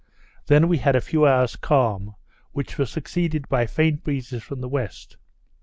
Then we had a few hours calm, which was succeeded by faint breezes from the west.